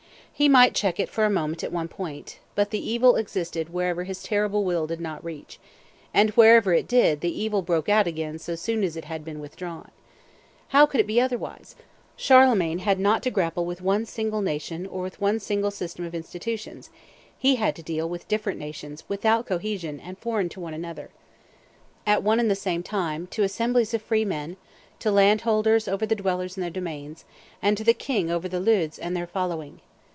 He might check it for a moment at one point; but the evil existed wherever his terrible will did not reach, and wherever it did the evil broke out again so soon as it had been withdrawn. How could it be otherwise? Charlemagne had not to grapple with one single nation or with one single system of institutions; he had to deal with different nations, without cohesion, and foreign one to another. The authority belonged, at one and the same time, to assemblies of free men, to landholders over the dwellers on their domains, and to the king over the "leudes" and their following.